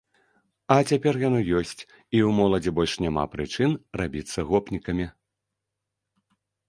А цяпер яно ёсць, і ў моладзі больш няма прычын рабіцца гопнікамі.